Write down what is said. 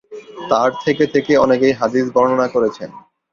তার থেকে থেকে অনেকেই হাদিস বর্ণনা করেছেন।